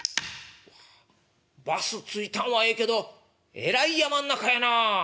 「うわバス着いたんはええけどえらい山ん中やなあ。